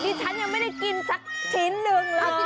ฉันยังไม่ได้กินสักชิ้นหนึ่งเลย